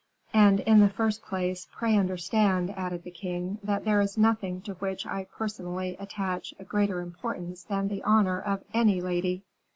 "And in the first place, pray understand," added the king, "that there is nothing to which I personally attach a greater importance than the honor of any lady."